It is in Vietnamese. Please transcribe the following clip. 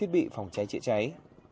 vị phòng trái trịa trái